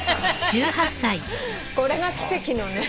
これが奇跡のね。